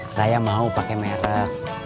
saya mau pakai merek